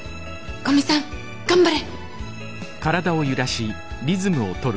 古見さん頑張れ！